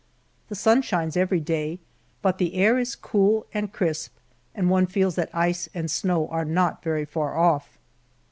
The sun shines every day, but the air is cool and crisp and one feels that ice and snow are not very far off.